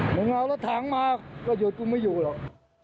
มึงเอารัฐานมาคแล้วเดี๋ยวกูไม่อยู่หรอก